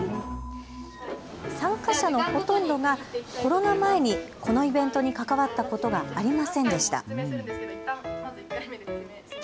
参加者のほとんどがコロナ前にこのイベントに関わったことがありませんでした。